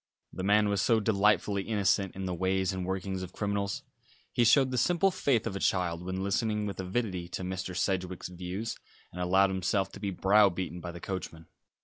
The man was so delightfully innocent in the ways and workings of criminals. He showed the simple faith of a child when listening with avidity to Mr. Sedgewick's views, and allowed himself to be browbeaten by the coachman.